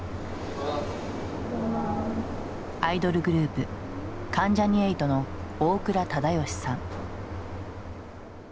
アイドルグループ関ジャニ∞の大倉忠義さん。